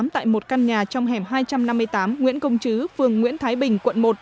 tại một căn nhà trong hẻm hai trăm năm mươi tám nguyễn công chứ phường nguyễn thái bình quận một